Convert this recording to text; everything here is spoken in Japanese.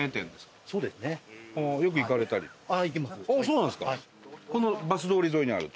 そうなんですか。